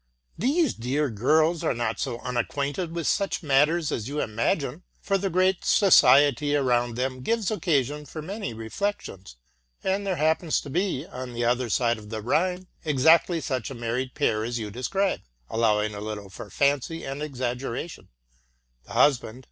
These dear girls are not so unacquainted with sueli matters as you imagine, for the great society around them gives occasion for many reflections ; and there happens to be, on the other side of the Rhine, exactly such a married pair as you describe, — allowing a little for fancy and exag geration, — the husband.